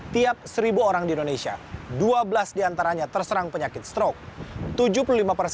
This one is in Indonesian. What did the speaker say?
tiap seribu orang di indonesia dua belas diantaranya terserang penyakit stroke